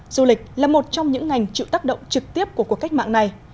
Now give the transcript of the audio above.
du lịch là một trong những ngành chịu tác động trực tiếp của cuộc cách mạng này